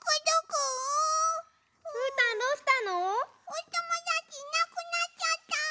おともだちいなくなっちゃった！